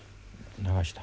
流した。